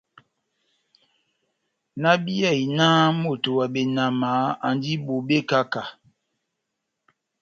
Náhábíyahi náh moto wa benama andi bobé kahá-kahá.